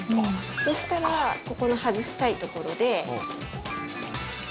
そしたらここの外したい所で。